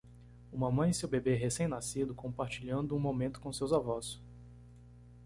Uma mãe e seu bebê recém-nascido compartilhando um momento com seus avós.